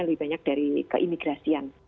lebih banyak dari keimigrasian